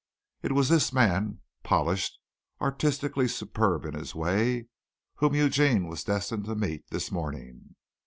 It was this man, polished, artistically superb in his way, whom Eugene was destined to meet this morning.